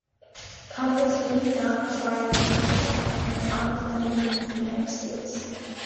Congress may not require religious tests for an office under the United States.